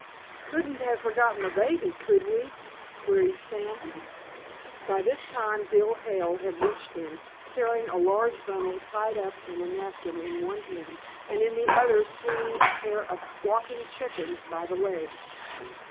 "Couldn't have forgotten the baby, could we?" queried Sam. By this time Bill Hale had reached them, carrying a large bundle tied up in a napkin in one hand, and in the other swinging a pair of squawking chickens by the legs.